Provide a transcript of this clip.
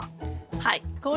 はい。